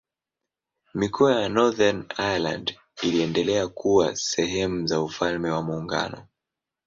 Mikoa ya Northern Ireland iliendelea kuwa sehemu za Ufalme wa Muungano.